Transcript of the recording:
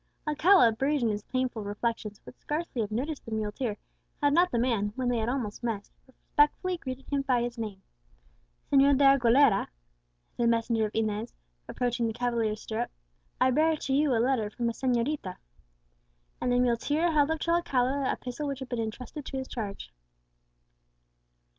Alcala, buried in his painful reflections, would scarcely have noticed the muleteer, had not the man, when they had almost met, respectfully greeted him by his name. "Señor de Aguilera," said the messenger of Inez, approaching the cavalier's stirrup, "I bear to you a letter from a señorita." And the muleteer held up to Alcala the epistle which had been intrusted to his charge.